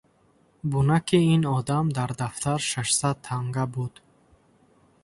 Бунаки ин одам дар дафтар шашсад танга буд.